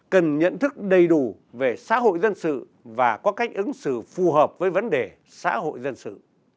cần nhận thức đầy đủ về xã hội dân sự và có cách ứng xử phù hợp với vấn đề xã hội dân sự